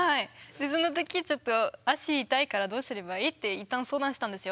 でその時ちょっと「足痛いからどうすればいい？」って一旦相談したんですよ。